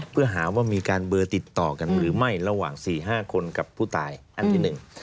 เพื่อหาว่ามีการเบอร์ติดต่อกันหรือไม่ระหว่าง๔๕คนกับผู้ตายอันที่หนึ่ง